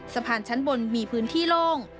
สะพานชั้นบนมีพื้นที่โล่ง